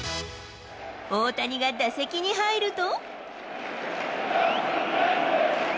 大谷が打席に入ると。